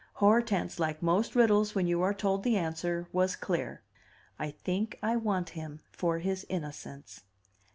Hortense, like most riddles when you are told the answer, was clear: "I think I want him for his innocence."